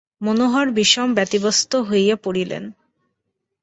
মনোহর বিষম ব্যতিব্যস্ত হইয়া পড়িলেন।